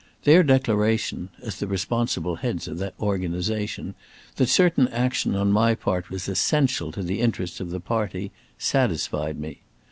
Their declaration, as the responsible heads of the organization, that certain action on my part was essential to the interests of the party, satisfied me.